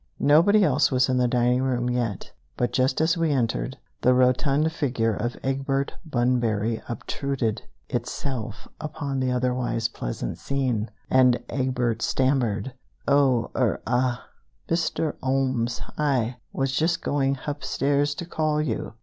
Nobody else was in the dining room yet, but just as we entered, the rotund figure of Egbert Bunbury obtruded itself upon the otherwise pleasant scene, and Egbert stammered: "Oh, er, ah, Mister 'Olmes, Hi was just going hupstairs to call you."